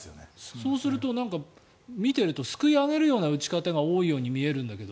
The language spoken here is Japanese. そうすると見ているとすくい上げるような打ち方が多いように見えるんだけど。